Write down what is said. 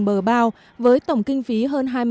bờ bao với tổng kinh phí hơn